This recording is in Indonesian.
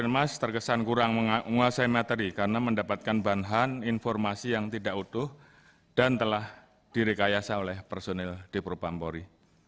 menurut anggota komisi tiga dpr ri